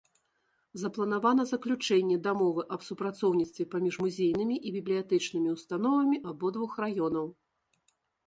Запланавана заключэнне дамовы аб супрацоўніцтве паміж музейнымі і бібліятэчнымі ўстановамі абодвух раёнаў.